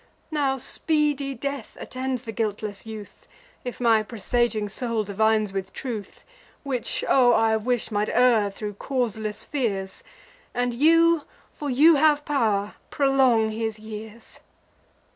Now speedy death attends the guiltless youth, If my presaging soul divines with truth; Which, O! I wish, might err thro' causeless fears, And you (for you have pow'r) prolong his years!"